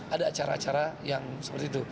ada acara acara yang seperti itu